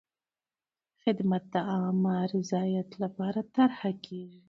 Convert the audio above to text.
خدمت د عامه رضایت لپاره طرحه کېږي.